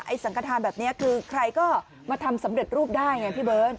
สังขทานแบบนี้คือใครก็มาทำสำเร็จรูปได้ไงพี่เบิร์ต